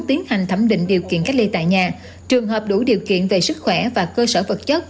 tiến hành thẩm định điều kiện cách ly tại nhà trường hợp đủ điều kiện về sức khỏe và cơ sở vật chất